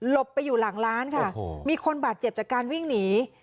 ไปอยู่หลังร้านค่ะมีคนบาดเจ็บจากการวิ่งหนี